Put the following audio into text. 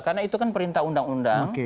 karena itu kan perintah undang undang